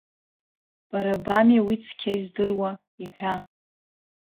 Бара бами уи цқьа издыруа, иҳәа!